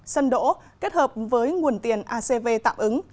sân đỗ kết hợp với nguồn tiền acv tạm ứng